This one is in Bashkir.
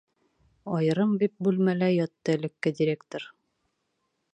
Айырым вип-бүлмәлә ятты элекке директор.